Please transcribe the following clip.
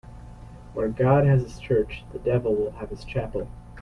Where God has his church, the devil will have his chapel.